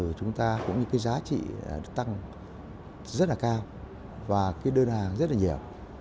của chúng ta cũng như cái giá trị tăng rất là cao và cái đơn hàng rất là nhiều